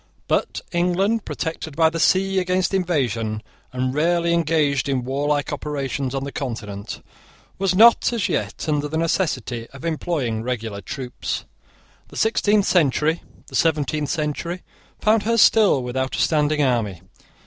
But England, protected by the sea against invasion, and rarely engaged in warlike operations on the Continent, was not, as yet, under the necessity of employing regular troops. The sixteenth century, the seventeenth century, found her still without a standing army.